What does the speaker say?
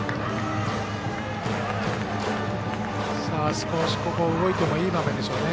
少し、ここは動いてもいい場面でしょうね。